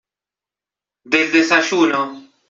del desayuno.